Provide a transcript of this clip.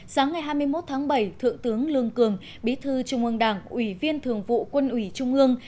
sáng ngày hai mươi một tháng bảy thượng tướng lương cường bí thư trung ương đảng ủy viên thường vụ quân ủy trung ương